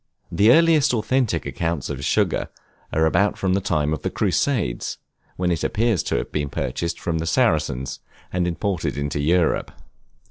The earliest authentic accounts of sugar, are about the time of the Crusades, when it appears to have been purchased from the Saracens, and imported into Europe.